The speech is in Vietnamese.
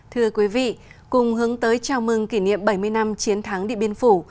thưa quý vị cùng hướng tới chào mừng kỷ niệm bảy mươi năm chiến thắng địa biên phủ